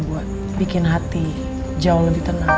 buat bikin hati jauh lebih tenang